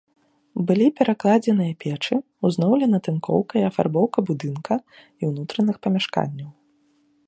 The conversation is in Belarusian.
Былі перакладзеныя печы, узноўлена тынкоўка і афарбоўка будынка і ўнутраных памяшканняў.